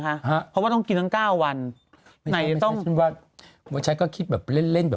คะเพราะว่าต้องกินทั้ง๙วันมีต้องว่าวันก็คิดแบบเล่น